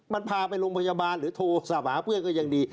มันพาไปโรงพยาบาลหรือโทรศัพท์หาเพื่อนก็ยังดี